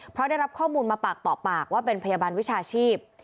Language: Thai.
เพราะได้รับข้อมูลมาปากต่อปากว่าเป็นพยาบาลวิชาชีพ